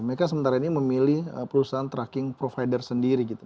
mereka sementara ini memilih perusahaan tracking provider sendiri gitu